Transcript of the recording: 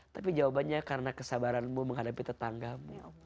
tapi jawabannya karena kesabaranmu menghadapi tetanggamu